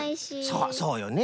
そうそうよね。